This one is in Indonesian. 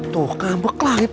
tuh ngambek lagi pep ah